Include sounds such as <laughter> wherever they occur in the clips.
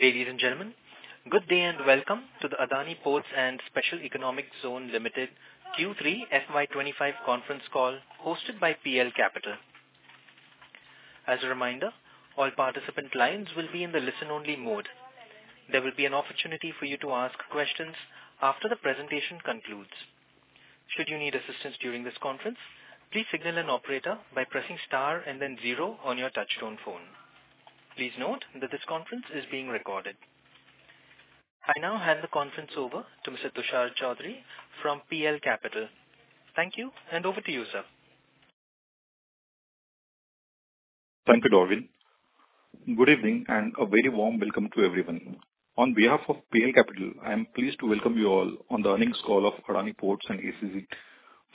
Ladies and gentlemen, good day and welcome to the Adani Ports and Special Economic Zone Limited Q3 FY25 conference call hosted by PL Capital. As a reminder, all participant lines will be in the listen-only mode. There will be an opportunity for you to ask questions after the presentation concludes. Should you need assistance during this conference, please signal an operator by pressing star and then zero on your touch-tone phone. Please note that this conference is being recorded. I now hand the conference over to Mr. Tushar Chaudhari from PL Capital. Thank you, and over to you, sir. Thank you, Darwin. Good evening and a very warm welcome to everyone. On behalf of PL Capital, I am pleased to welcome you all on the earnings call of Adani Ports and ACC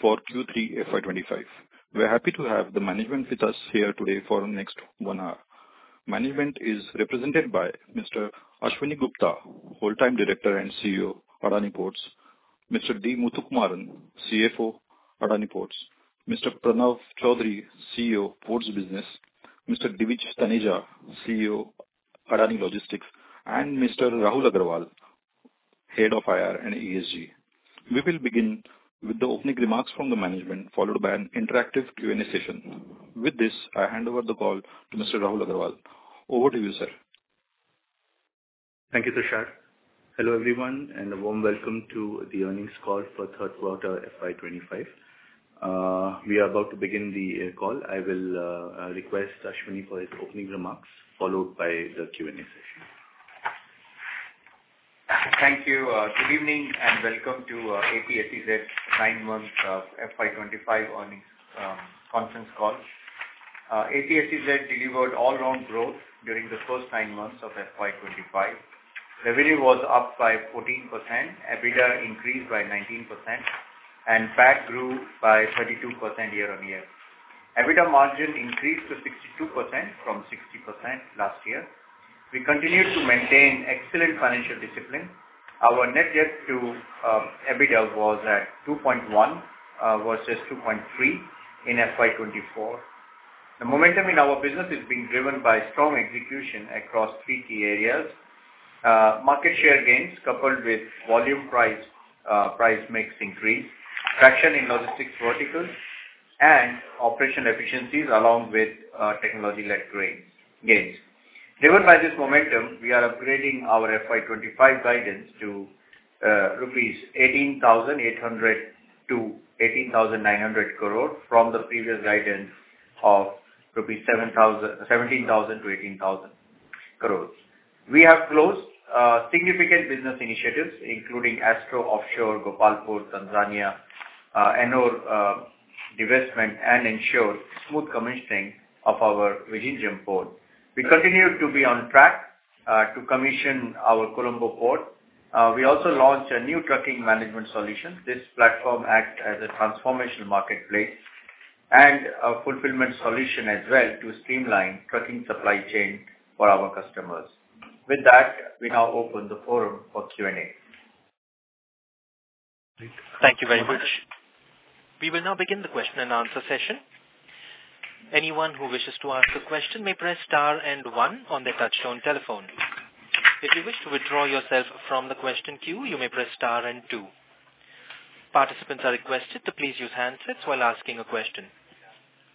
for Q3 FY25. We are happy to have the management with us here today for the next one hour. Management is represented by Mr. Ashwani Gupta, whole-time director and CEO, Adani Ports, Mr. D. Muthukumaran, CFO, Adani Ports, Mr. Pranav Choudhary, CEO, Ports Business, Mr. Divij Taneja, CEO, Adani Logistics, and Mr. Rahul Agarwal, Head of IR and ESG. We will begin with the opening remarks from the management, followed by an interactive Q&A session. With this, I hand over the call to Mr. Rahul Agarwal. Over to you, sir. Thank you, Tushar. Hello, everyone, and a warm welcome to the earnings call for third quarter FY25. We are about to begin the call. I will request Ashwani for his opening remarks, followed by the Q&A session. Thank you. Good evening and welcome to APSEZ's nine months of FY25 earnings conference call. APSEZ delivered all-round growth during the first nine months of FY25. Revenue was up by 14%, EBITDA increased by 19%, and PAT grew by 32% year-on-year. EBITDA margin increased to 62% from 60% last year. We continued to maintain excellent financial discipline. Our net debt to EBITDA was at 2.1 versus 2.3 in FY24. The momentum in our business is being driven by strong execution across three key areas: market share gains coupled with volume price mix increase, traction in logistics verticals, and operational efficiencies along with technology-led gains. Driven by this momentum, we are upgrading our FY25 guidance to Rs 18,800-18,900 crore from the previous guidance of Rs 17,000-18,000 crore. We have closed significant business initiatives, including Astro Offshore, Gopalpur Port, Tanzania, Ennore Divestment, and ensured smooth commissioning of our Vizhinjam Port. We continue to be on track to commission our Colombo Port. We also launched a new trucking management solution. This platform acts as a transformational marketplace and a fulfillment solution as well to streamline trucking supply chain for our customers. With that, we now open the forum for Q&A. Thank you very much. We will now begin the question and answer session. Anyone who wishes to ask a question may press star and one on their touch-tone telephone. If you wish to withdraw yourself from the question queue, you may press star and two. Participants are requested to please use handsets while asking a question.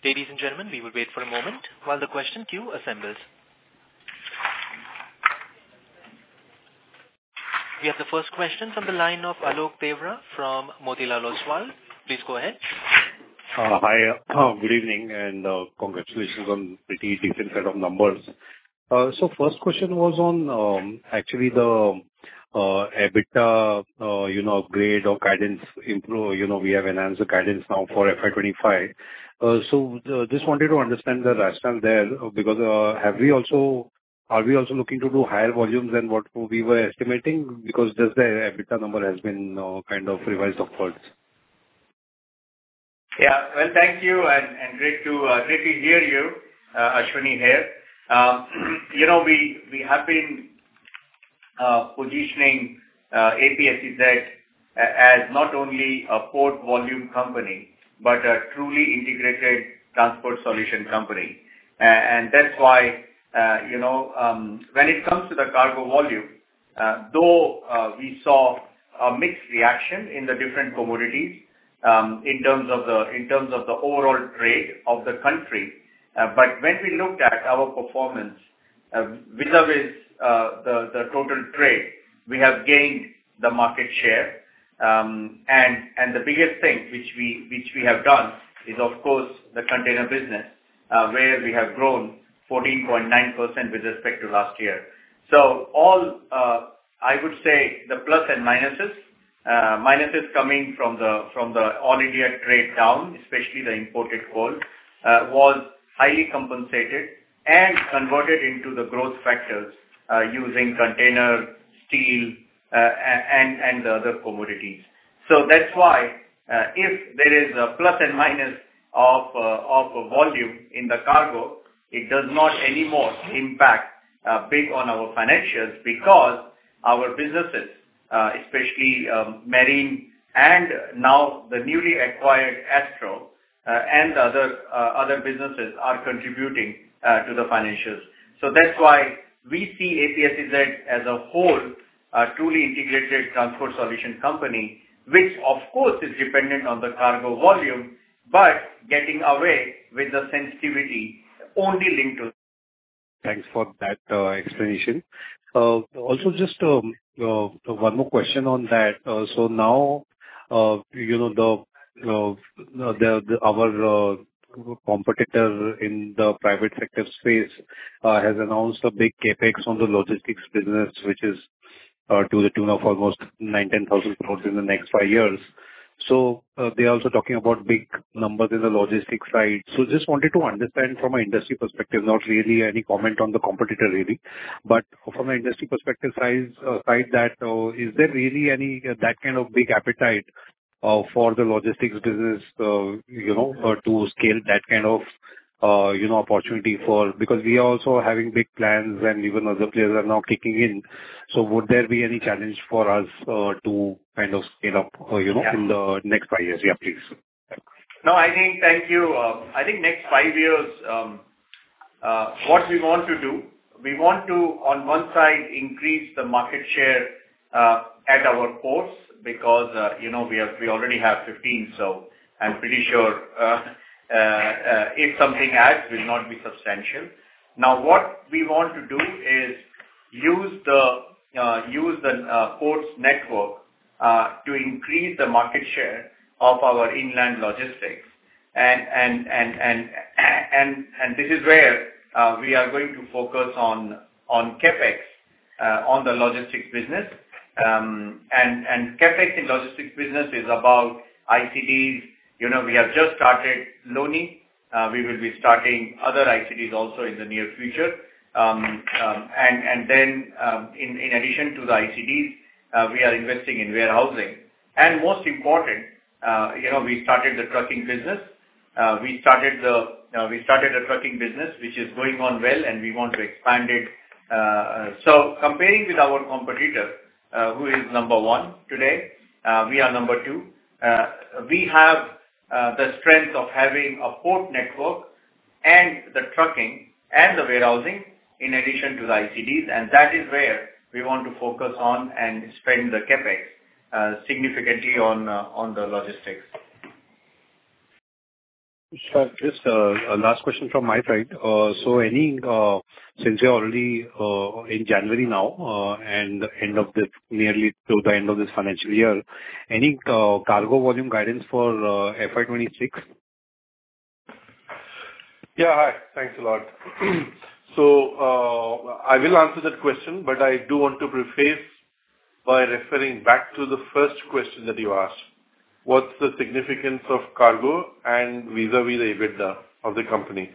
Ladies and gentlemen, we will wait for a moment while the question queue assembles. We have the first question from the line of Alok Deora from Motilal Oswal. Please go ahead. Hi, good evening and congratulations on a pretty decent set of numbers. So first question was on actually the EBITDA upgrade or guidance. We have enhanced the guidance now for FY25. So just wanted to understand the rationale there because are we also looking to do higher volumes than what we were estimating? Because just the EBITDA number has been kind of revised upwards. Yeah. Well, thank you, and great to hear you, Ashwani here. We have been positioning APSEZ as not only a port volume company but a truly integrated transport solution company, and that's why when it comes to the cargo volume, though we saw a mixed reaction in the different commodities in terms of the overall trade of the country, but when we looked at our performance vis-à-vis the total trade, we have gained the market share, and the biggest thing which we have done is, of course, the container business where we have grown 14.9% with respect to last year, so all, I would say, the plus and minuses, minuses coming from the all-India trade down, especially the imported coal, was highly compensated and converted into the growth factors using container, steel, and the other commodities. So that's why if there is a plus and minus of volume in the cargo, it does not anymore impact big on our financials because our businesses, especially marine and now the newly acquired Astro and other businesses, are contributing to the financials. So that's why we see APSEZ as a whole truly integrated transport solution company, which, of course, is dependent on the cargo volume but getting away with the sensitivity only linked to. Thanks for that explanation. Also, just one more question on that. So now our competitor in the private sector space has announced a big CapEx on the logistics business, which is to the tune of almost 19,000 crores in the next five years. So they are also talking about big numbers in the logistics side. So just wanted to understand from an industry perspective, not really any comment on the competitor, really. But from an industry perspective side that is there really any that kind of big appetite for the logistics business to scale that kind of opportunity for because we are also having big plans and even other players are now kicking in. So would there be any challenge for us to kind of scale up in the next five years? Yeah, please. No, I think. Thank you. I think next five years, what we want to do, we want to, on one side, increase the market share at our ports because we already have 15, so I'm pretty sure if something adds, it will not be substantial. Now, what we want to do is use the ports network to increase the market share of our inland logistics. And this is where we are going to focus on Capex on the logistics business. And CapEx in logistics business is about ICDs. We have just started Loni. We will be starting other ICDs also in the near future. And then, in addition to the ICDs, we are investing in warehousing. And most important, we started the trucking business. We started the trucking business, which is going on well, and we want to expand it. So comparing with our competitor, who is number one today, we are number two. We have the strength of having a port network and the trucking and the warehousing in addition to the ICDs. And that is where we want to focus on and spend the CapEx significantly on the logistics. Just a last question from my side. So since we are already in January now and nearing the end of this financial year, any cargo volume guidance for FY26? Yeah. Hi. Thanks a lot. So I will answer that question, but I do want to preface by referring back to the first question that you asked. What's the significance of cargo and vis-à-vis the EBITDA of the company?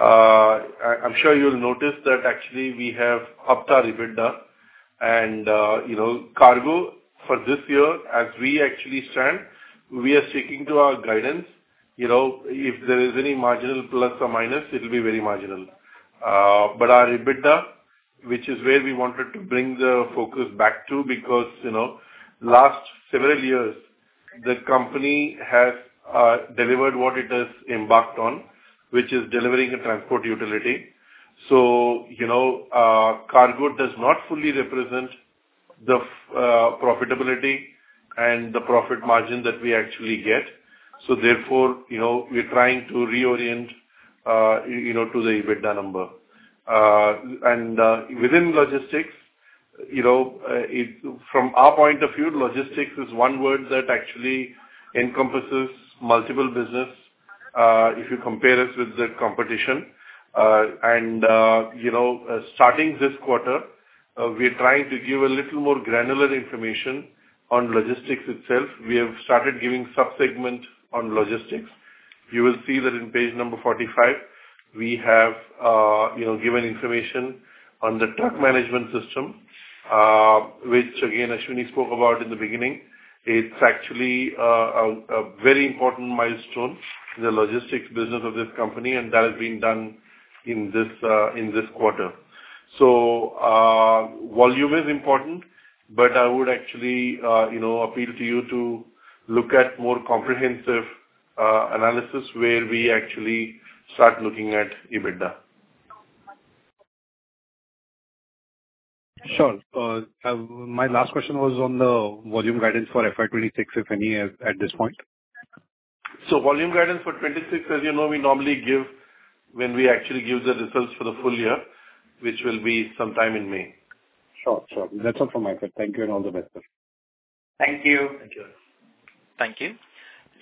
I'm sure you'll notice that actually we have upped our EBITDA. And cargo for this year, as we actually stand, we are sticking to our guidance. If there is any marginal plus or minus, it will be very marginal. But our EBITDA, which is where we wanted to bring the focus back to, because last several years, the company has delivered what it has embarked on, which is delivering a transport utility. So cargo does not fully represent the profitability and the profit margin that we actually get. So therefore, we're trying to reorient to the EBITDA number. Within logistics, from our point of view, logistics is one word that actually encompasses multiple businesses if you compare us with the competition. Starting this quarter, we're trying to give a little more granular information on logistics itself. We have started giving subsegments on logistics. You will see that in page number 45, we have given information on the truck management system, which, again, Ashwani spoke about in the beginning. It's actually a very important milestone in the logistics business of this company, and that has been done in this quarter. Volume is important, but I would actually appeal to you to look at more comprehensive analysis where we actually start looking at EBITDA. Sure. My last question was on the volume guidance for FY26, if any, at this point. So volume guidance for 2026, as you know, we normally give when we actually give the results for the full year, which will be sometime in May. Sure. Sure. That's all from my side. Thank you and all the best. Thank you. Thank you. Thank you.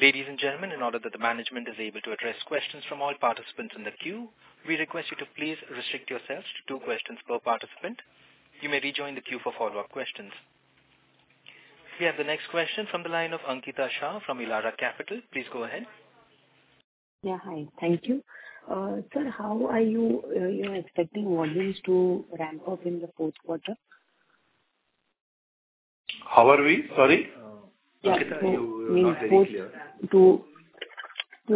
Ladies and gentlemen, in order that the management is able to address questions from all participants in the queue, we request you to please restrict yourselves to two questions per participant. You may rejoin the queue for follow-up questions. We have the next question from the line of Ankita Shah from Elara Capital. Please go ahead. Yeah. Hi. Thank you. Sir, how are you expecting volumes to ramp up in the fourth quarter? How are we? Sorry. Yeah. To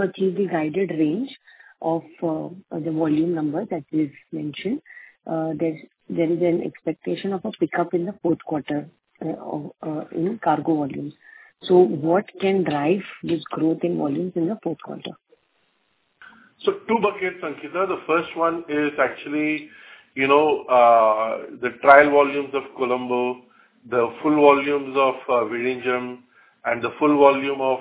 achieve the guided range of the volume numbers that we've mentioned, there is an expectation of a pickup in the fourth quarter in cargo volumes. So what can drive this growth in volumes in the fourth quarter? So two buckets, Ankita. The first one is actually the trial volumes of Colombo, the full volumes of Vizhinjam, and the full volume of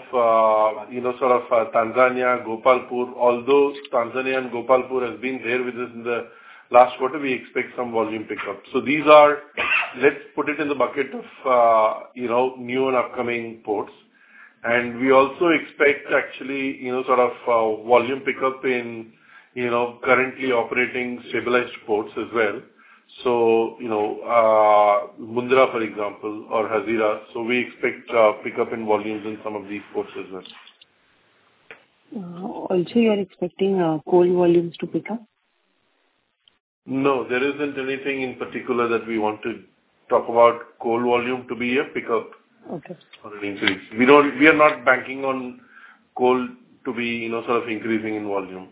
sort of Tanzania, Gopalpur. Although Tanzania and Gopalpur have been there with us in the last quarter, we expect some volume pickup. So these are, let's put it in the bucket of new and upcoming ports. And we also expect actually sort of volume pickup in currently operating stabilized ports as well. So Mundra, for example, or Hazira. So we expect pickup in volumes in some of these ports as well. Also, you're expecting coal volumes to pick up? No. There isn't anything in particular that we want to talk about coal volume to be a pickup or an increase. We are not banking on coal to be sort of increasing in volume.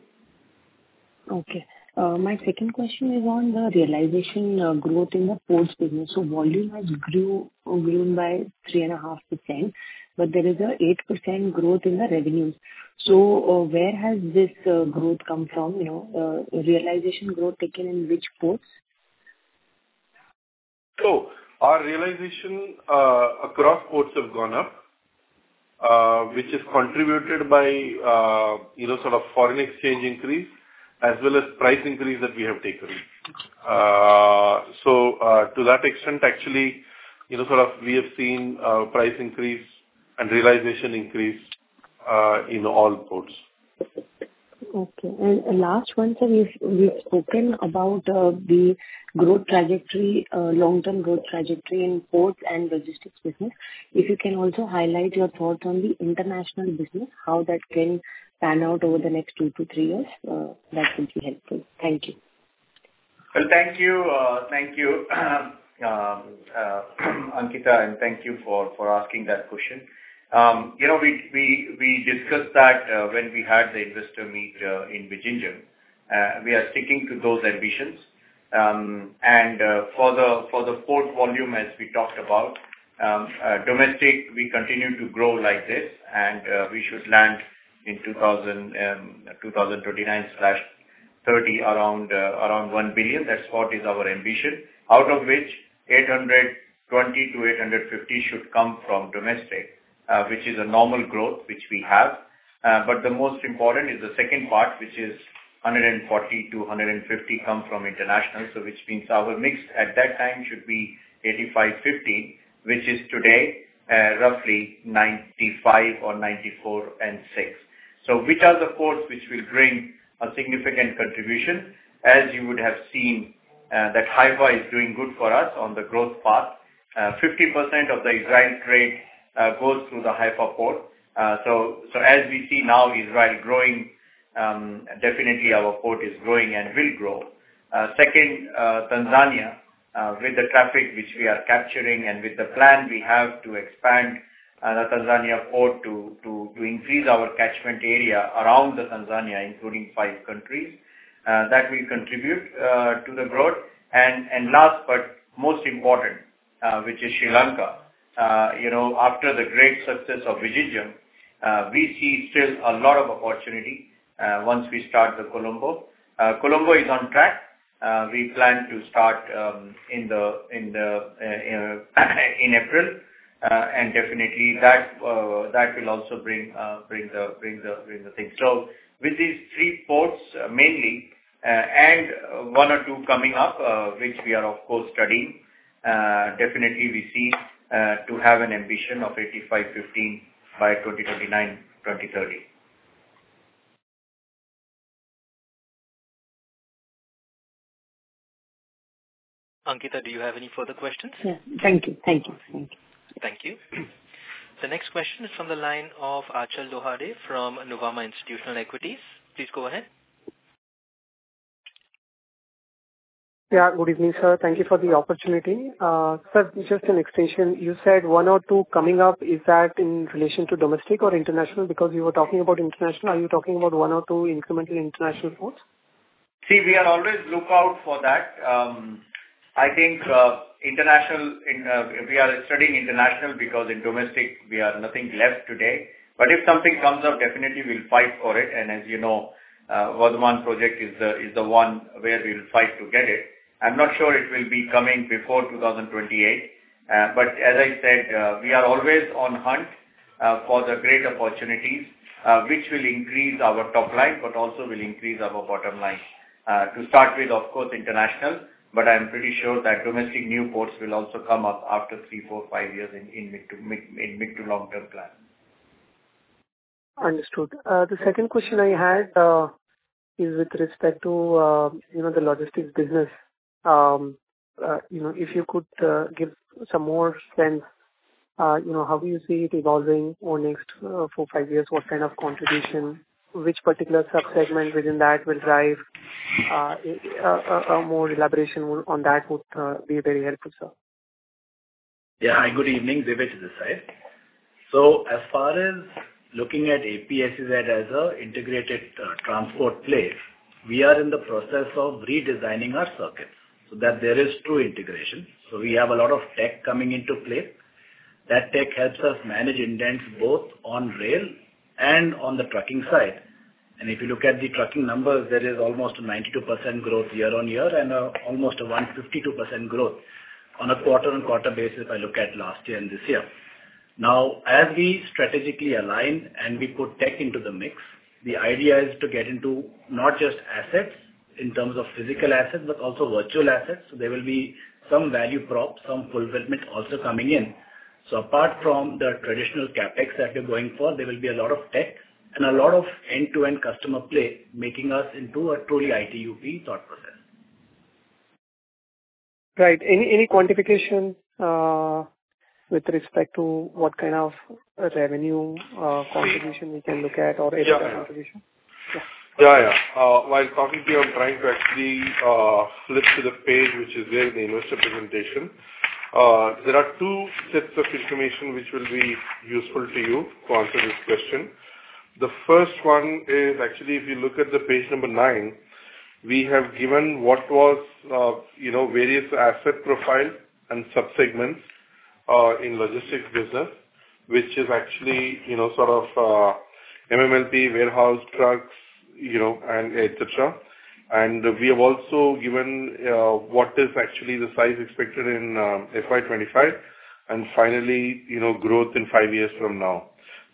Okay. My second question is on the realization growth in the ports business. So volume has grown by 3.5%, but there is an 8% growth in the revenues. So where has this growth come from? Realization growth taken in which ports? So our realization across ports has gone up, which is contributed by sort of foreign exchange increase as well as price increase that we have taken. So to that extent, actually, sort of we have seen price increase and realization increase in all ports. Okay. And last one, sir, we've spoken about the growth trajectory, long-term growth trajectory in ports and logistics business. If you can also highlight your thoughts on the international business, how that can pan out over the next two to three years, that would be helpful. Thank you. Well, thank you. Thank you, Ankita, and thank you for asking that question. We discussed that when we had the investor meet in Vizhinjam. We are sticking to those ambitions. And for the port volume, as we talked about, domestic, we continue to grow like this, and we should land in 2029/30 around 1 billion. That's what is our ambition, out of which 820-850 should come from domestic, which is a normal growth, which we have. But the most important is the second part, which is 140-150 come from international, which means our mix at that time should be 85/15, which is today roughly 95 or 94 and 6. So which are the ports which will bring a significant contribution? As you would have seen, that Haifa is doing good for us on the growth path. 50% of the Israel trade goes through the Haifa port. So as we see now Israel growing, definitely our port is growing and will grow. Second, Tanzania, with the traffic which we are capturing and with the plan we have to expand the Tanzania port to increase our catchment area around the Tanzania, including five countries, that will contribute to the growth. And last but most important, which is Sri Lanka. After the great success of Vizhinjam, we see still a lot of opportunity once we start the Colombo. Colombo is on track. We plan to start in April, and definitely that will also bring the thing. So with these three ports mainly and one or two coming up, which we are, of course, studying, definitely we see to have an ambition of 85-15 by 2029-2030. Ankita, do you have any further questions? Yes. Thank you. Thank you. The next question is from the line of Achal Lohade from Nuvama Institutional Equities. Please go ahead. Yeah. Good evening, sir. Thank you for the opportunity. Sir, just an extension. You said one or two coming up. Is that in relation to domestic or international? Because you were talking about international, are you talking about one or two incremental international ports? See, we are always looking out for that. I think international, we are studying international because in domestic, we have nothing left today. But if something comes up, definitely we'll fight for it. And as you know, Vadhavan project is the one where we'll fight to get it. I'm not sure it will be coming before 2028. But as I said, we are always on hunt for the great opportunities, which will increase our top line, but also will increase our bottom line. To start with, of course, international, but I'm pretty sure that domestic new ports will also come up after three, four, five years in mid- to long-term plan. Understood. The second question I had is with respect to the logistics business. If you could give some more sense, how do you see it evolving over the next four, five years? What kind of contribution? Which particular subsegment within that will drive more? Elaboration on that would be very helpful, sir. Yeah. Hi. Good evening. Divij is the side, so as far as looking at APSEZ as an integrated transport play, we are in the process of redesigning our circuits so that there is true integration, so we have a lot of tech coming into play. That tech helps us manage intents both on rail and on the trucking side, and if you look at the trucking numbers, there is almost a 92% growth year on year and almost a 152% growth on a quarter-on-quarter basis if I look at last year and this year. Now, as we strategically align and we put tech into the mix, the idea is to get into not just assets in terms of physical assets, but also virtual assets. There will be some value prop, some fulfillment also coming in. Apart from the traditional CapEx that we're going for, there will be a lot of tech and a lot of end-to-end customer play, making us into a truly ITUP thought process. Right. Any quantification with respect to what kind of revenue contribution we can look at or additional contribution? While talking to you, I'm trying to actually flip to the page, which is where the investor presentation. There are two sets of information which will be useful to you to answer this question. The first one is actually, if you look at the page number nine, we have given what was various asset profiles and subsegments in logistics business, which is actually sort of MMLP, warehouse, trucks, and etc. And we have also given what is actually the size expected in FY25, and finally, growth in five years from now.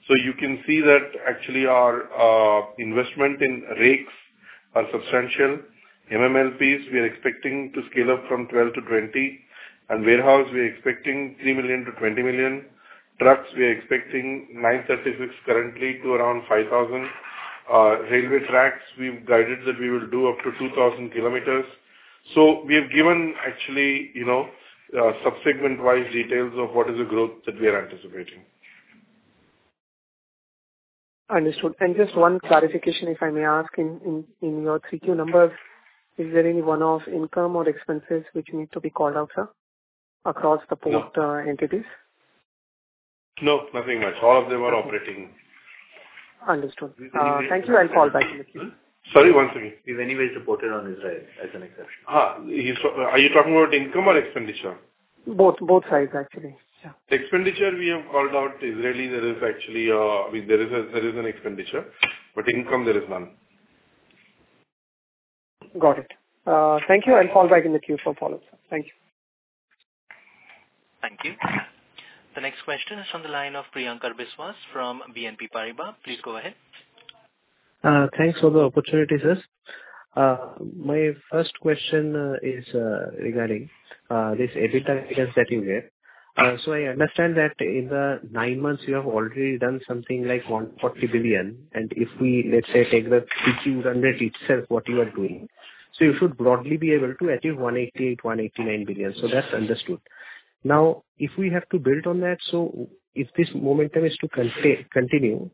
So you can see that actually our investment in rakes are substantial. MMLPs, we are expecting to scale up from 12 to 20. And warehouse, we are expecting 3 milliion-20 million. Trucks, we are expecting 936 currently to around 5,000. Railway tracks, we've guided that we will do up to 2,000 km. So we have given actually subsegment-wise details of what is the growth that we are anticipating. Understood. And just one clarification, if I may ask, in your three Q numbers, is there any one-off income or expenses which need to be called out, sir, across the port entities? No. Nothing much. All of them are operating. Understood. Thank you. I'll call back in a few. Sorry. Once again. You've anyways reported on Israel as an exception. Are you talking about income or expenditure? Both sides, actually. Yeah. Expenditure, we have called out. In Israel, there is actually—I mean, there is an expenditure, but income, there is none. Got it. Thank you. I'll call back in a few for follow-up, sir. Thank you. Thank you. The next question is from the line of Priyankar Biswas from BNP Paribas. Please go ahead. Thanks for the opportunity, sir. My first question is regarding this EBITDA figures that you gave. So I understand that in the nine months, you have already done something like 140 billion. And if we, let's say, take the PQ 100 itself, what you are doing, so you should broadly be able to achieve 188-189 billion. So that's understood. Now, if we have to build on that, so if this momentum is to continue,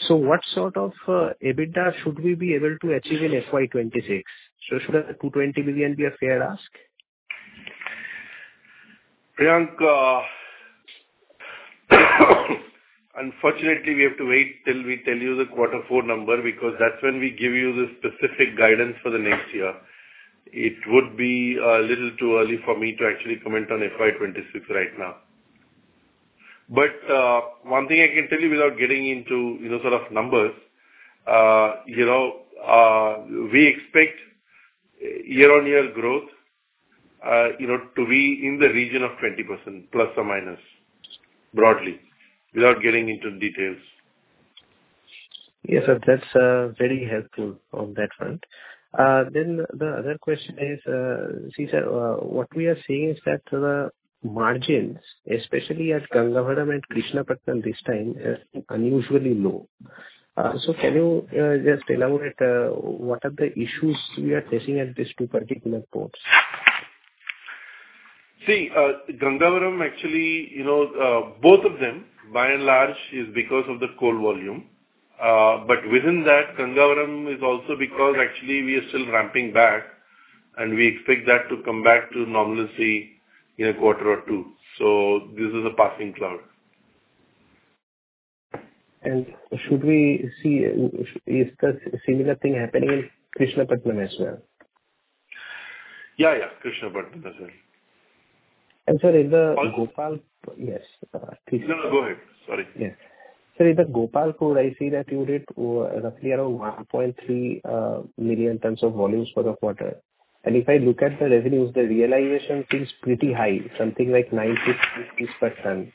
so what sort of EBITDA should we be able to achieve in FY26? So should 220 billion be a fair ask? Priyanka, unfortunately, we have to wait till we tell you the quarter four number because that's when we give you the specific guidance for the next year. It would be a little too early for me to actually comment on FY26 right now, but one thing I can tell you without getting into sort of numbers, we expect year-on-year growth to be in the region of 20%± broadly without getting into details. Yes, sir. That's very helpful on that front. Then the other question is, see, sir, what we are seeing is that the margins, especially at Gangavaram and Krishnapatnam this time, are unusually low. So can you just elaborate what are the issues we are facing at these two particular ports? See, Gangavaram actually, both of them, by and large, is because of the coal volume, but within that, Gangavaram is also because actually we are still ramping back, and we expect that to come back to normalcy in a quarter or two, so this is a passing cloud. And should we see that similar thing happening in Krishnapatnam as well? Yeah. Yeah. Krishnapatnam as well. And, sir, in the Gopalpur, yes. No, no. Go ahead. Sorry. Yes, sir, in the Gopalpur Port, I see that you did roughly around 1.3 million tons of volumes for the quarter. And if I look at the revenues, the realization seems pretty high, something like ₹90.50 per ton.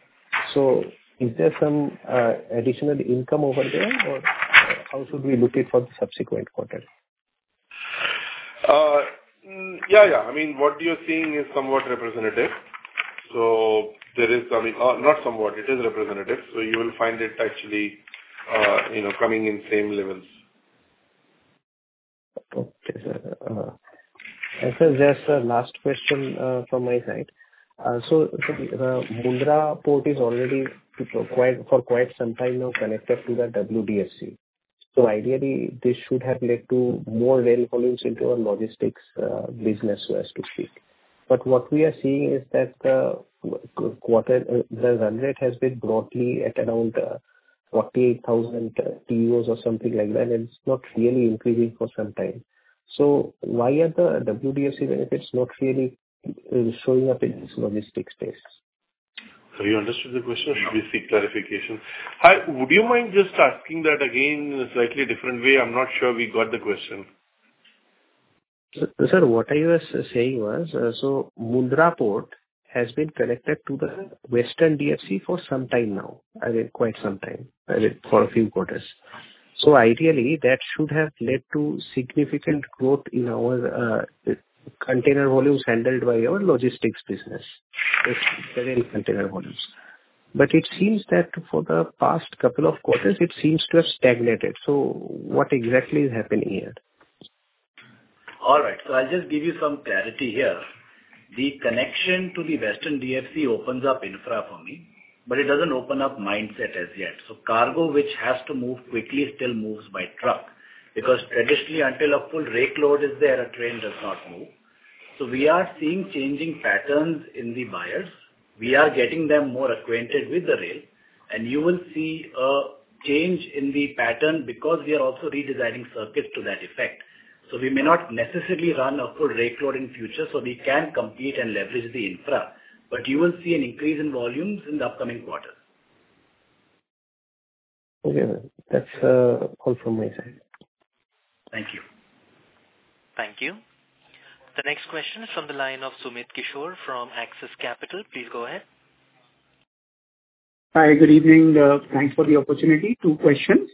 So is there some additional income over there, or how should we look at for the subsequent quarter? Yeah. Yeah. I mean, what you're seeing is somewhat representative. So there is something not somewhat. It is representative. So you will find it actually coming in same levels. Okay, sir. And sir, just a last question from my side. So the Mundra port is already for quite some time now connected to the WDFC. So ideally, this should have led to more rail volumes into our logistics business, so to speak. But what we are seeing is that the run rate has been broadly at around 48,000 TEUs or something like that, and it's not really increasing for some time. So why are the WDFC benefits not really showing up in this logistics space? Have you understood the question, or should we seek clarification? Hi. Would you mind just asking that again in a slightly different way? I'm not sure we got the question. Sir, what I was saying was, so Mundra port has been connected to the Western DFC for some time now, I mean, quite some time, I mean, for a few quarters. So ideally, that should have led to significant growth in our container volumes handled by our logistics business, the rail container volumes. But it seems that for the past couple of quarters, it seems to have stagnated. So what exactly is happening here? All right. So I'll just give you some clarity here. The connection to the Western DFC opens up infra for me, but it doesn't open up mindset as yet. So cargo, which has to move quickly, still moves by truck because traditionally, until a full rake load is there, a train does not move. So we are seeing changing patterns in the buyers. We are getting them more acquainted with the rail, and you will see a change in the pattern because we are also redesigning circuits to that effect. So we may not necessarily run a full rake load in future, so we can compete and leverage the infra. But you will see an increase in volumes in the upcoming quarters. Okay. That's all from my side. Thank you. Thank you. The next question is from the line of Sumit Kishore from Axis Capital. Please go ahead. Hi. Good evening. Thanks for the opportunity. Two questions.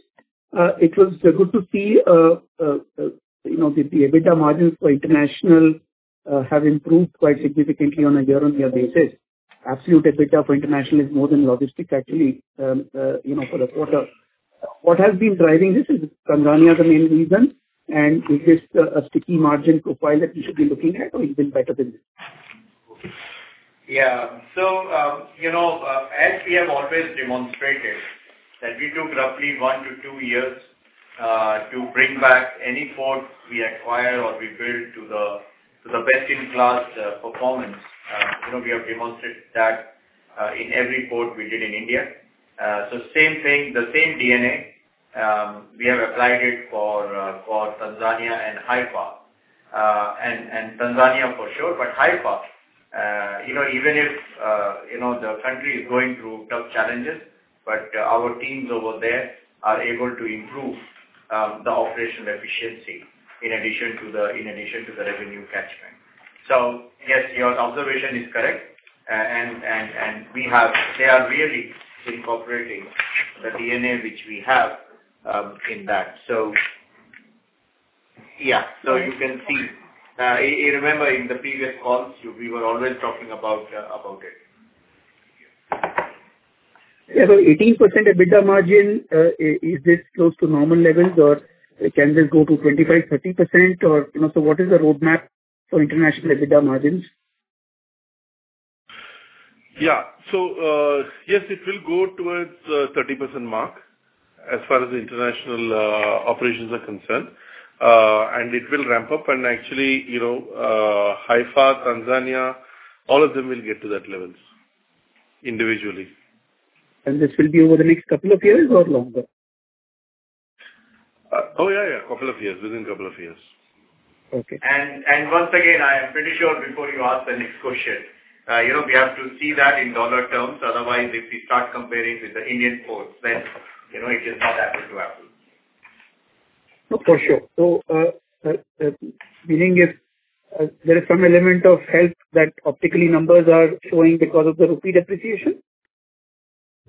It was good to see the EBITDA margins for international have improved quite significantly on a year-on-year basis. Absolute EBITDA for international is more than logistics, actually, for the quarter. What has been driving this is Gangavaram as a main reason, and is this a sticky margin profile that we should be looking at, or even better than this? Yeah. So, as we have always demonstrated, that we took roughly one to two years to bring back any port we acquire or we build to the best-in-class performance. We have demonstrated that in every port we did in India. The same thing, the same DNA. We have applied it for Tanzania and Haifa. And Tanzania, for sure, but Haifa, even if the country is going through tough challenges, but our teams over there are able to improve the operational efficiency in addition to the revenue catchment. So yes, your observation is correct. And they are really incorporating the DNA which we have in that. Yeah. You can see, remember, in the previous calls, we were always talking about it. Yeah. So 18% EBITDA margin, is this close to normal levels, or can this go to 25%, 30%, or so? What is the roadmap for international EBITDA margins? Yeah. So yes, it will go towards the 30% mark as far as the international operations are concerned. And it will ramp up. And actually, Haifa, Tanzania, all of them will get to those levels individually. This will be over the next couple of years or longer? Oh, yeah, yeah. Couple of years. Within a couple of years. Once again, I am pretty sure before you ask the next question, we have to see that in dollar terms. Otherwise, if we start comparing with the Indian ports, then it is not apples to apples. For sure. So meaning there is some element of health that optically numbers are showing because of the repeat appreciation?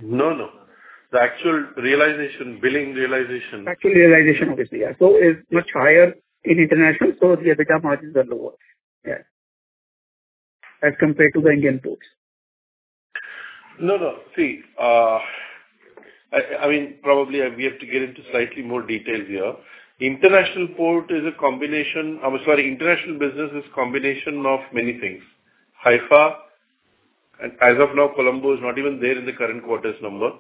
No, no. The actual realization, billing realization. Actual realization, obviously, yeah, so is much higher in international, so the EBITDA margins are lower. Yeah. As compared to the Indian ports. No, no. See, I mean, probably we have to get into slightly more detail here. International port is a combination. I'm sorry. International business is a combination of many things. Haifa, as of now, Colombo is not even there in the current quarter's number.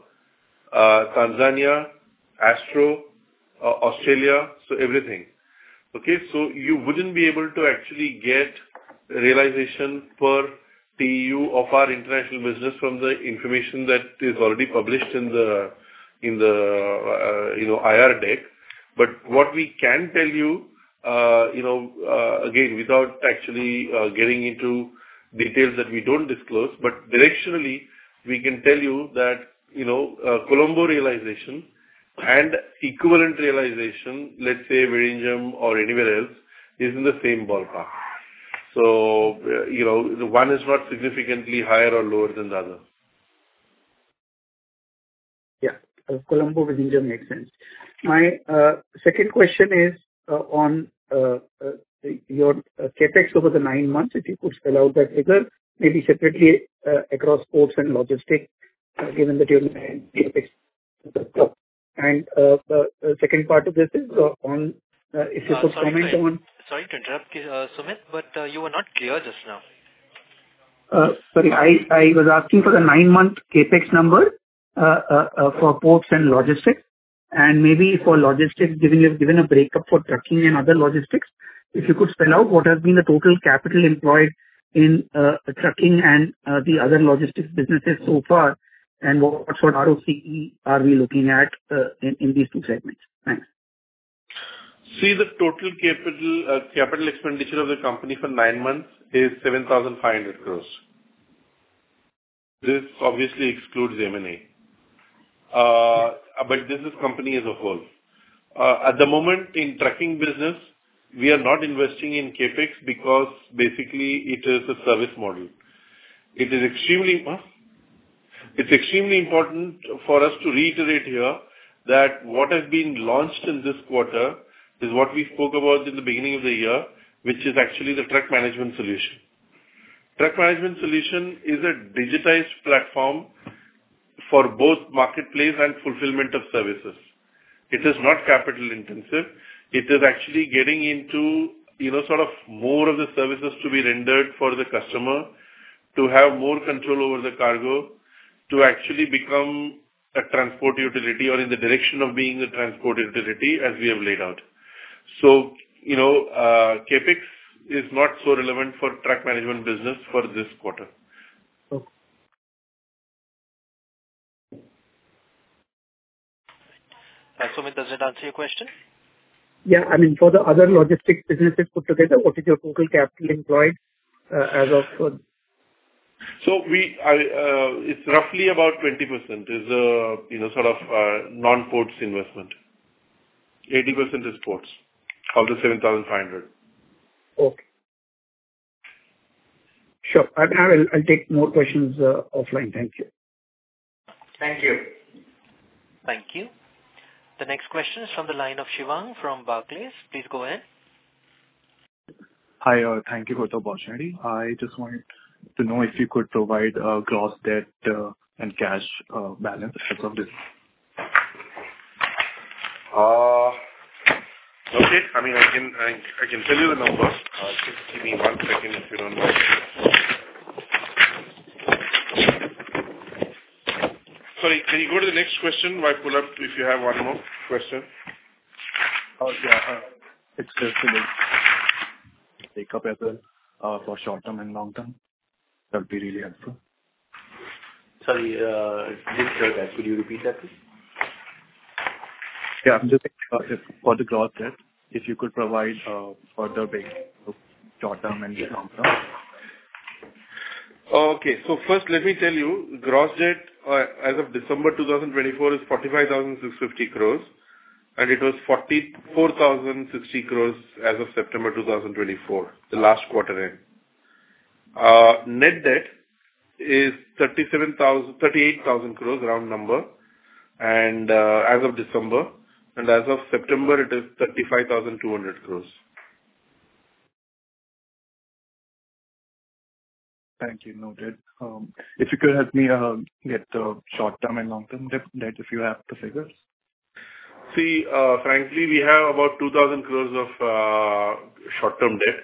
Tanzania, Astro, Australia, so everything. Okay. So you wouldn't be able to actually get realization per TEU of our international business from the information that is already published in the IR deck. But what we can tell you, again, without actually getting into details that we don't disclose, but directionally, we can tell you that Colombo realization and equivalent realization, let's say, Vizhinjam or anywhere else, is in the same ballpark. So one is not significantly higher or lower than the other. Yeah. Colombo-Vizhinjam makes sense. My second question is on your CapEx over the nine months, if you could spell out that figure, maybe separately across ports and logistics, given that you're in CapEx. And the second part of this is on if you could comment on. Sorry to interrupt, Sumit, but you were not clear just now. Sorry. I was asking for the nine-month CapEx number for ports and logistics. And maybe for logistics, given you've given a breakup for trucking and other logistics, if you could spell out what has been the total capital employed in trucking and the other logistics businesses so far, and what sort of ROCE are we looking at in these two segments? Thanks. See, the total capital expenditure of the company for nine months is 7,500 crore. This obviously excludes M&A. But this is company as a whole. At the moment, in trucking business, we are not investing in CapEx because basically it is a service model. It is extremely important for us to reiterate here that what has been launched in this quarter is what we spoke about in the beginning of the year, which is actually the truck management solution. Truck management solution is a digitized platform for both marketplace and fulfillment of services. It is not capital-intensive. It is actually getting into sort of more of the services to be rendered for the customer to have more control over the cargo, to actually become a transport utility or in the direction of being a transport utility as we have laid out. CapEx is not so relevant for truck management business for this quarter. Sumit, does it answer your question? Yeah. I mean, for the other logistics businesses put together, what is your total capital employed as of? So it's roughly about 20% is sort of non-ports investment. 80% is ports of the 7,500. Okay. Sure. I'll take more questions offline. Thank you. Thank you. Thank you. The next question is from the line of Shivang from Barclays. Please go ahead. Hi. Thank you for the opportunity. I just wanted to know if you could provide a gross debt and cash balance as of this. Okay. I mean, I can tell you the numbers. Give me one second if you don't mind. Sorry. Can you go to the next question? If you have one more question. Yeah. It's just a breakup effort for short-term and long-term. That would be really helpful. Sorry. I didn't hear that. Could you repeat that, please? Yeah. I'm just thinking about the gross debt, if you could provide further bank short-term and long-term? Okay. First, let me tell you, gross debt as of December 2024 is 45,650 crores, and it was 44,060 crores as of September 2024, the last quarter end. Net debt is 38,000 crores, round number, as of December. As of September, it is 35,200 crores. Thank you. Noted. If you could help me get the short-term and long-term debt, if you have the figures. See, frankly, we have about 2,000 crores of short-term debt.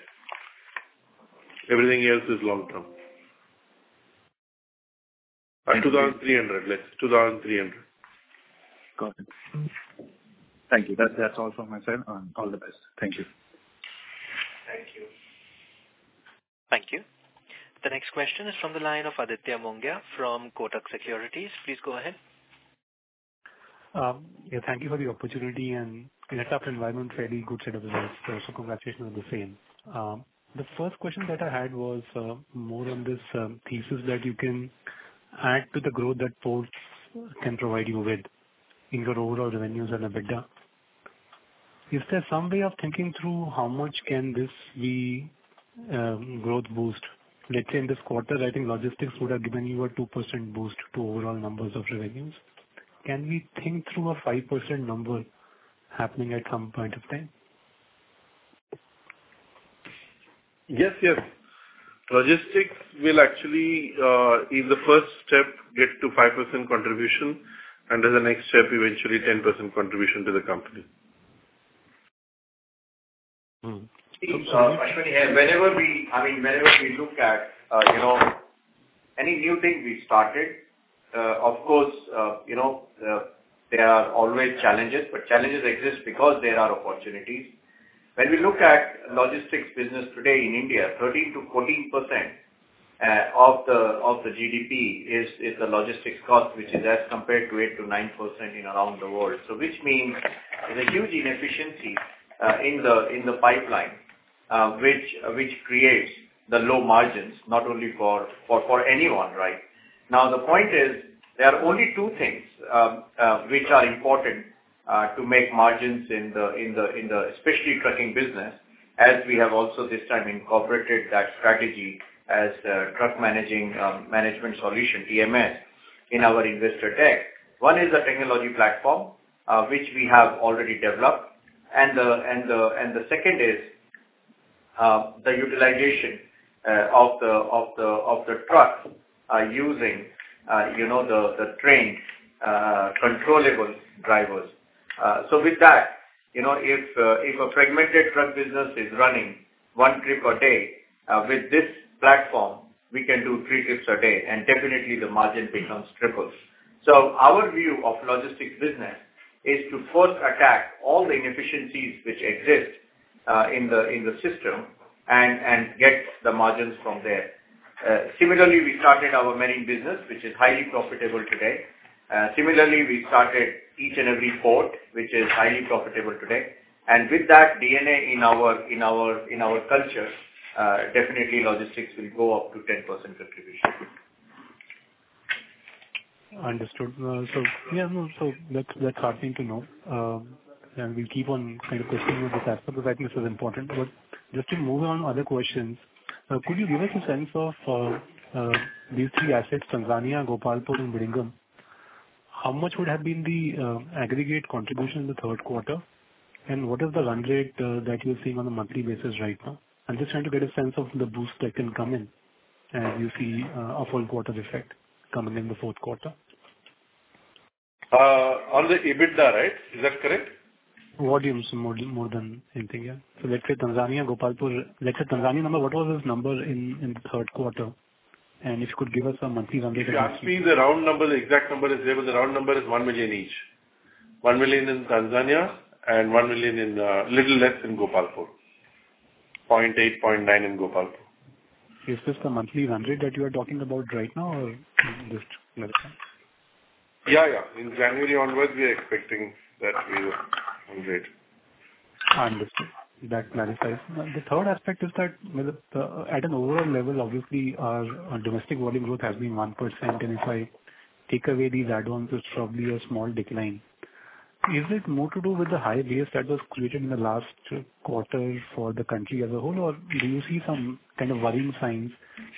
Everything else is long-term. 2,300 less. Got it. Thank you. That's all from my side. All the best. Thank you. Thank you. Thank you. The next question is from the line of Aditya Mongia from Kotak Securities. Please go ahead. Yeah. Thank you for the opportunity. And in this environment, fairly good set of results. So congratulations on the same. The first question that I had was more on this thesis that you can add to the growth that ports can provide you with in your overall revenues and EBITDA. Is there some way of thinking through how much can this be growth boost? Let's say in this quarter, I think logistics would have given you a 2% boost to overall numbers of revenues. Can we think through a 5% number happening at some point of time? Yes, yes. Logistics will actually, in the first step, get to 5% contribution, and then the next step, eventually, 10% contribution to the company. Whenever we look at any new thing we started, of course, there are always challenges, but challenges exist because there are opportunities. When we look at logistics business today in India, 13%-14% of the GDP is the logistics cost, which is as compared to 8%-9% around the world. So which means there's a huge inefficiency in the pipeline, which creates the low margins, not only for anyone, right? Now, the point is there are only two things which are important to make margins in the, especially trucking business, as we have also this time incorporated that strategy as truck management solution, TMS, in our investor deck. One is the technology platform, which we have already developed. And the second is the utilization of the truck using the trained, controllable drivers. So with that, if a fragmented truck business is running one trip a day, with this platform, we can do three trips a day. And definitely, the margin becomes tripled. So our view of logistics business is to first attack all the inefficiencies which exist in the system and get the margins from there. Similarly, we started our marine business, which is highly profitable today. Similarly, we started each and every port, which is highly profitable today. And with that DNA in our culture, definitely logistics will go up to 10% contribution. Understood. So yeah, no. So that's heartening to know. And we'll keep on kind of pursuing with this aspect of it. This is important. But just to move on other questions, could you give us a sense of these three assets, Tanzania, Gopalpur, and Vizhinjam? How much would have been the aggregate contribution in the third quarter? And what is the run rate that you're seeing on a monthly basis right now? I'm just trying to get a sense of the boost that can come in as you see a full quarter effect coming in the fourth quarter. On the EBITDA, right? Is that correct? Volumes more than anything, yeah. So let's say Tanzania, Gopalpur, let's say Tanzania number, what was its number in the third quarter? And if you could give us a monthly run rate of that. Yeah. I've seen the round number. The exact number is there, but the round number is 1 million each. 1 million in Tanzania and 1 million in a little less in Gopalpur. 0.8, 0.9 in Gopalpur. Is this the monthly run rate that you are talking about right now or just another time? Yeah, yeah. In January onwards, we are expecting that we run rate. Understood. That clarifies. The third aspect is that at an overall level, obviously, our domestic volume growth has been 1%. And if I take away these add-ons, it's probably a small decline. Is it more to do with the high base that was created in the last quarter for the country as a whole, or do you see some kind of warning signs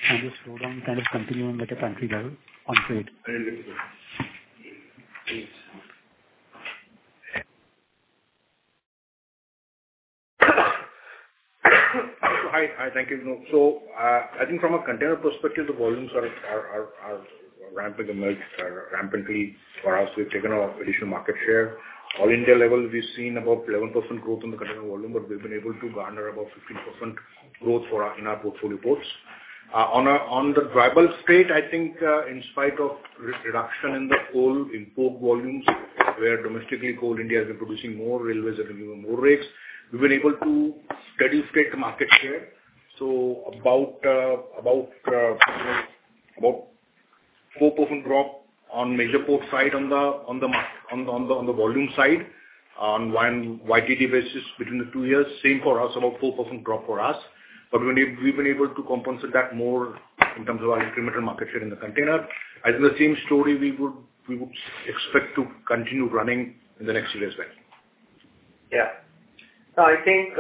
and the slowdown kind of continuing at a country level on trade? Hi. Thank you. So I think from a container perspective, the volumes are ramping up rampantly for us. We've taken our additional market share. All India level, we've seen about 11% growth in the container volume, but we've been able to garner about 15% growth in our portfolio ports. On the dry bulk side, I think in spite of reduction in the coal import volumes, where domestically Coal India has been producing more railways and more rakes, we've been able to steadily stay at the market share. So about 4% drop on major port side on the volume side on YTD basis between the two years. Same for us, about 4% drop for us. But we've been able to compensate that more in terms of our incremental market share in the container. As in the same story, we would expect to continue running in the next year as well. Yeah. So I think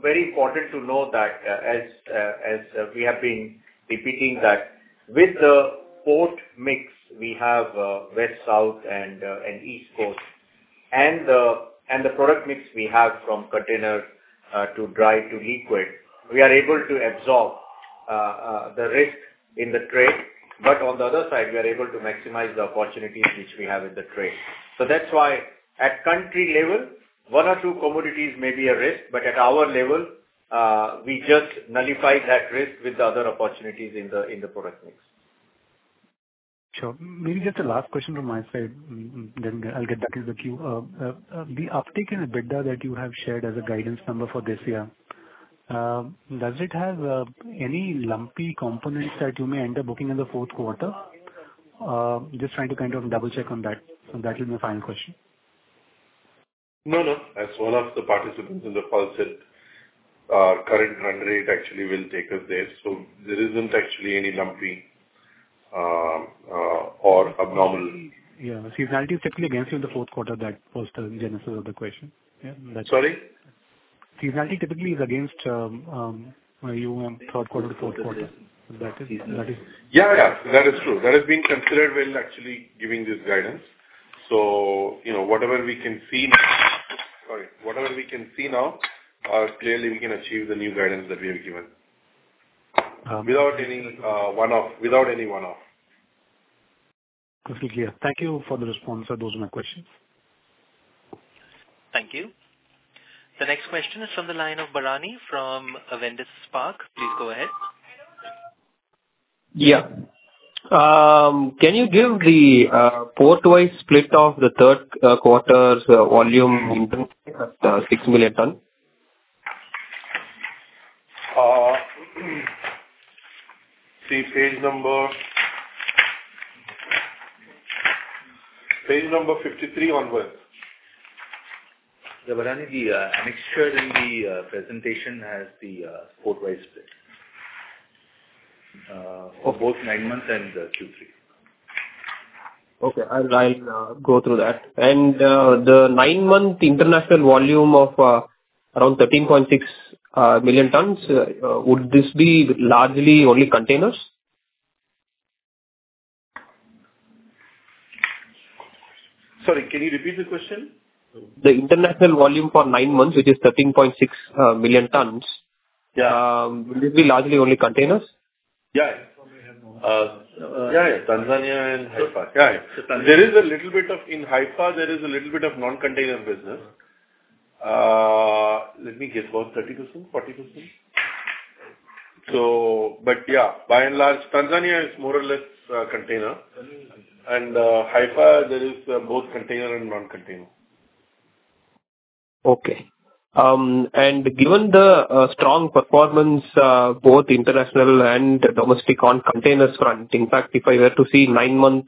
very important to know that as we have been repeating that with the port mix, we have West, South, and East ports. And the product mix we have from container to dry to liquid, we are able to absorb the risk in the trade. But on the other side, we are able to maximize the opportunities which we have in the trade. So that's why at country level, one or two commodities may be a risk, but at our level, we just nullify that risk with the other opportunities in the product mix. Sure. Maybe just a last question from my side. I'll get back to the queue. The uptick in EBITDA that you have shared as a guidance number for this year, does it have any lumpy components that you may end up booking in the fourth quarter? Just trying to kind of double-check on that. So that will be my final question. No, no. As one of the participants in the call said, our current run rate actually will take us there. So there isn't actually any lumpy or abnormal. Yeah. Seasonality is typically against you in the fourth quarter. That was the genesis of the question. Yeah. Sorry? Seasonality typically is against you in third quarter to fourth quarter. That is. Yeah, yeah. That is true. That has been considered while actually giving this guidance. So whatever we can see now, clearly we can achieve the new guidance that we have given without any one-off. Completely. Thank you for the response. Those are my questions. Thank you. The next question is from the line of Bharani from Avendus Spark. Please go ahead. Yeah. Can you give the port-wise split of the third quarter's volume in terms of 6 million tons? See, page number 53 onwards. Yeah, Bharani, the metrics in the presentation has the port-wise split for both nine months and Q3. Okay. I'll go through that. And the nine-month international volume of around 13.6 million tons, would this be largely only containers? Sorry, can you repeat the question? The international volume for nine months, which is 13.6 million tons, would this be largely only containers? Yeah. Tanzania and Haifa. Yeah. There is a little bit of non-container business in Haifa. Let me guess, about 30%, 40%? But yeah, by and large, Tanzania is more or less container. And Haifa, there is both container and non-container. Okay. And given the strong performance, both international and domestic on containers front, in fact, if I were to see nine-month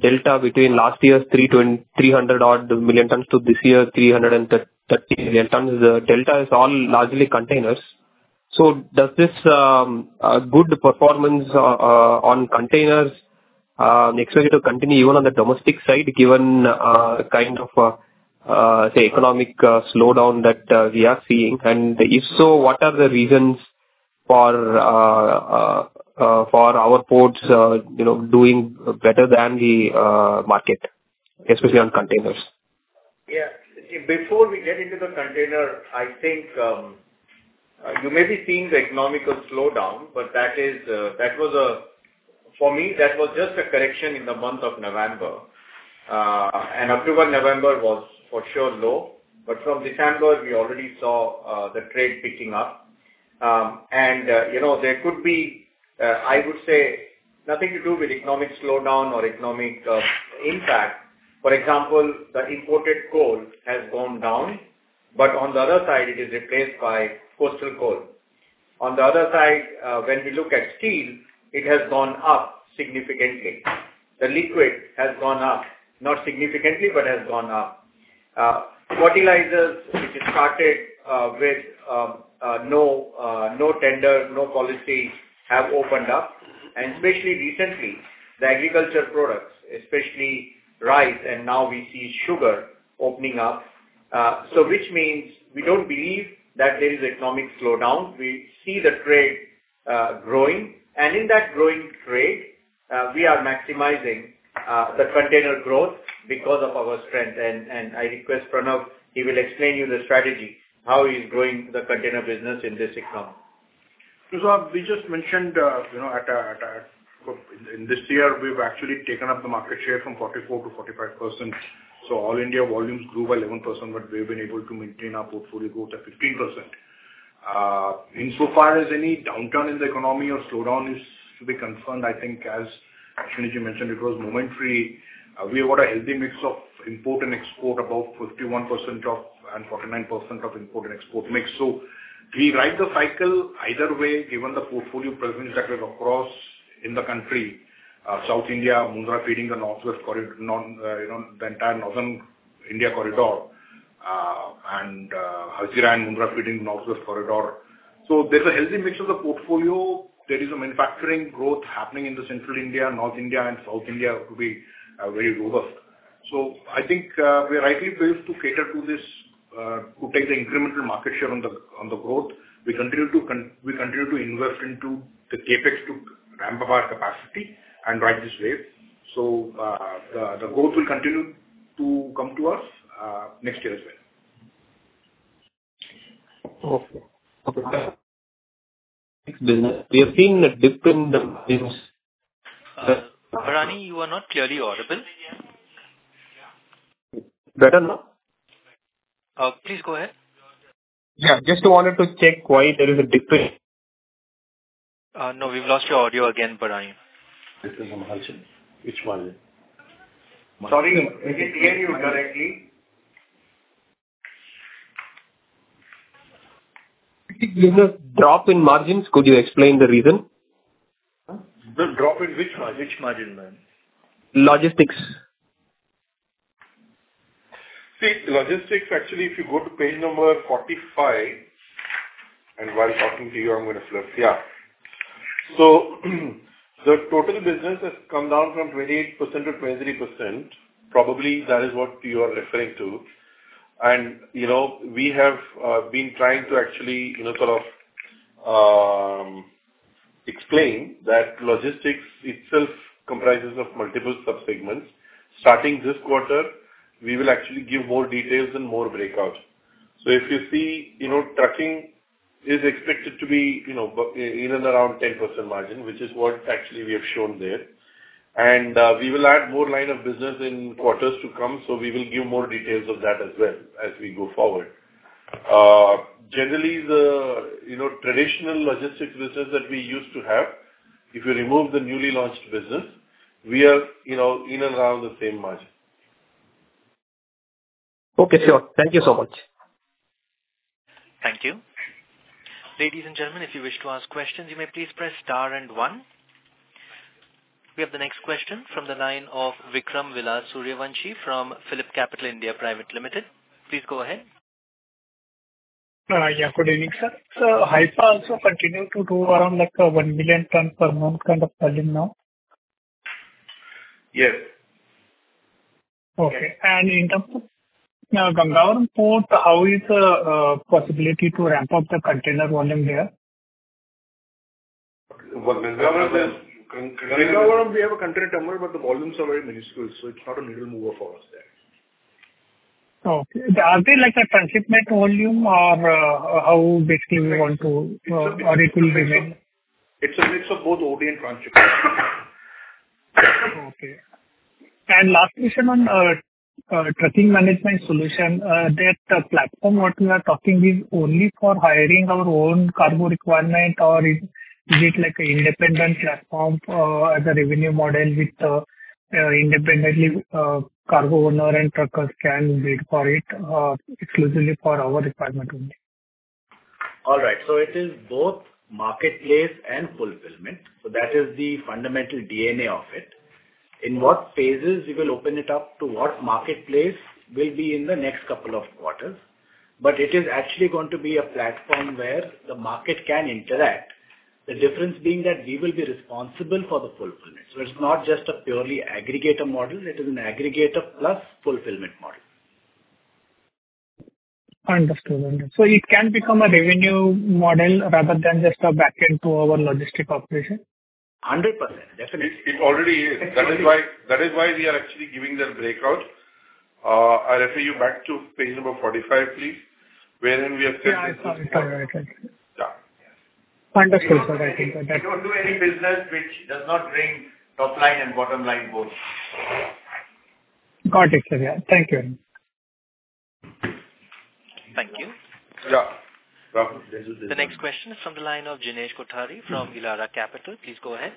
delta between last year's 300-odd million tons to this year's 330 million tons, the delta is all largely containers. So does this good performance on containers expect to continue even on the domestic side, given kind of, say, economic slowdown that we are seeing? And if so, what are the reasons for our ports doing better than the market, especially on containers? Yeah. Before we get into the container, I think you may be seeing the economic slowdown, but that was, for me, that was just a correction in the month of November, and October and November was for sure low, but from December, we already saw the trade picking up, and there could be, I would say, nothing to do with economic slowdown or economic impact. For example, the imported coal has gone down, but on the other side, it is replaced by coastal coal. On the other side, when we look at steel, it has gone up significantly. The liquid has gone up. Not significantly, but has gone up. Fertilizers, which started with no tender, no policy, have opened up, and especially recently, the agricultural products, especially rice, and now we see sugar opening up, which means we don't believe that there is economic slowdown. We see the trade growing. And in that growing trade, we are maximizing the container growth because of our strength. And I request Pranav, he will explain to you the strategy, how he is growing the container business in this economy. So we just mentioned that in this year, we've actually taken up the market share from 44% to 45%. So all India volumes grew by 11%, but we've been able to maintain our portfolio growth at 15%. Insofar as any downturn in the economy or slowdown is to be confirmed, I think, as Ashwani ji mentioned, it was momentary. We have got a healthy mix of import and export, about 51% and 49% of import and export mix. So we ride the cycle either way, given the portfolio presence that we have across in the country, South India, Mundra feeding the northwest corridor, the entire northern India corridor, and Hazira and Mundra feeding the northwest corridor. So there's a healthy mix of the portfolio. There is a manufacturing growth happening in the central India, north India, and south India to be very robust. So I think we're rightly placed to cater to this, to take the incremental market share on the growth. We continue to invest into the CapEx to ramp up our capacity and ride this wave. So the growth will continue to come to us next year as well. <audio distortion> Bharani, you are not clearly audible. Better now? Please go ahead. <audio distortion> No, we've lost your audio again, Bharani. <audio distortion> Sorry, we can't hear you correctly. If you give a drop in margins, could you explain the reason? The drop in which margin? Logistics. See, logistics, actually, if you go to page number 45, and while talking to you, I'm going to flip. Yeah. So the total business has come down from 28% to 23%. Probably that is what you are referring to. And we have been trying to actually sort of explain that logistics itself comprises of multiple subsegments. Starting this quarter, we will actually give more details and more breakouts. So if you see, trucking is expected to be in and around 10% margin, which is what actually we have shown there. And we will add more line of business in quarters to come. So we will give more details of that as well as we go forward. Generally, the traditional logistics business that we used to have, if you remove the newly launched business, we are in and around the same margin. Okay. Sure. Thank you so much. Thank you. Ladies and gentlemen, if you wish to ask questions, you may please press star and one. We have the next question from the line of Vikram Suryavanshi from PhillipCapital. Please go ahead. Yeah. Good evening, sir. So Haifa also continues to do around 1 million tons per month kind of volume now? Yes. Okay, and in terms of Gangavaram Port, how is the possibility to ramp up the container volume there? Gangavaram is we have a container terminal, but the volumes are very minuscule. So it's not a middle mover for us there. Okay. Are they like a transshipment volume or how basically you want to or it will remain? It's a mix of both OD and transshipment. Okay, and last question on trucking management solution, that platform what we are talking is only for hiring our own cargo requirement, or is it like an independent platform as a revenue model with independently cargo owner and truckers can bid for it exclusively for our requirement only? All right. So it is both marketplace and fulfillment. So that is the fundamental DNA of it. In what phases we will open it up to what marketplace will be in the next couple of quarters. But it is actually going to be a platform where the market can interact, the difference being that we will be responsible for the fulfillment. So it's not just a purely aggregator model. It is an aggregator plus fulfillment model. Understood. Understood. So it can become a revenue model rather than just a backend to our logistics operation? 100%. Definitely. It already is. That is why we are actually giving the breakout. I refer you back to page number 45, please, wherein we have said. Yeah. Sorry. Yeah. Understood. Sorry. I think that. We don't do any business which does not bring top line and bottom line both. Got it. Yeah. Thank you. Thank you. Yeah. The next question is from the line of Jinesh Kothari from Elara Capital. Please go ahead.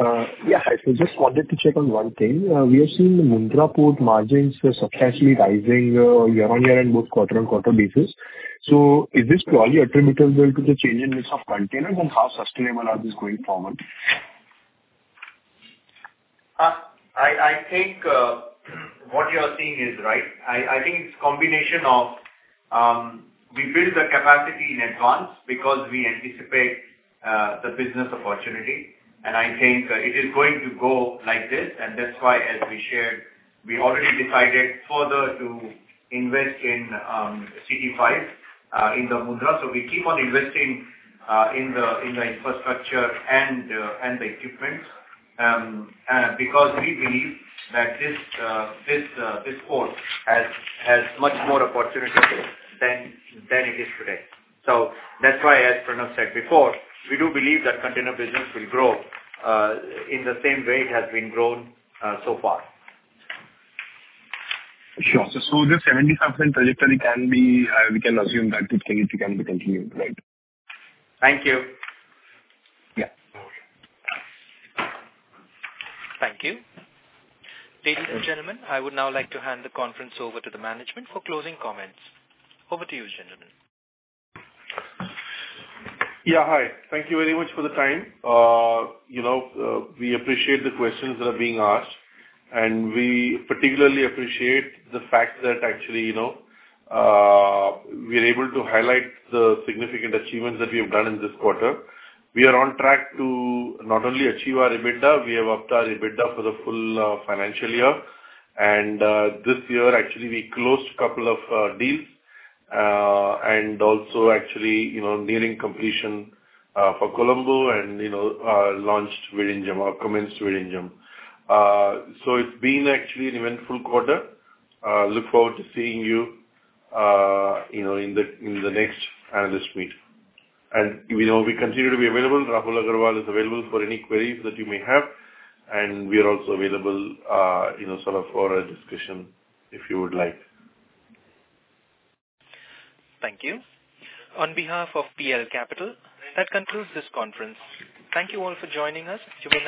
Yeah. I just wanted to check on one thing. We have seen the Mundra Port margins substantially rising year on year and both quarter on quarter basis. So is this probably attributable to the change in mix of containers and how sustainable are these going forward? I think what you are seeing is right. I think it's a combination of we build the capacity in advance because we anticipate the business opportunity. And I think it is going to go like this. And that's why, as we shared, we already decided further to invest in CT5 in the Mundra. So we keep on investing in the infrastructure and the equipment because we believe that this port has much more opportunity than it is today. So that's why, as Pranav said before, we do believe that container business will grow in the same way it has been grown so far. Sure. So the 75% trajectory can be. We can assume that it can be continued, right? Thank you. Yeah. Thank you. Ladies and gentlemen, I would now like to hand the conference over to the management for closing comments. Over to you, gentlemen. Yeah. Hi. Thank you very much for the time. We appreciate the questions that are being asked. We particularly appreciate the fact that actually we are able to highlight the significant achievements that we have done in this quarter. We are on track to not only achieve our EBITDA. We have upped our EBITDA for the full financial year. This year, actually, we closed a couple of deals and also actually nearing completion for Colombo and launched within Vizhinjam, commenced within Vizhinjam. It's been actually an eventful quarter. Look forward to seeing you in the next analyst meet. We continue to be available. Rahul Agarwal is available for any queries that you may have. We are also available sort of for a discussion if you would like. Thank you. On behalf of PL Capital, that concludes this conference. Thank you all for joining us. You may.